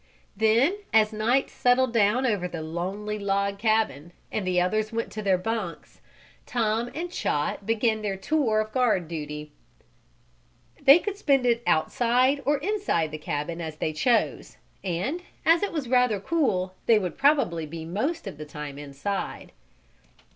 Then, as night settled down over the lonely log cabin, and the others went to their bunks, Tom and Chot began their tour of guard duty. They could spend it outside or inside the cabin as they chose, and, as it was rather cool, they would probably be most of the time inside.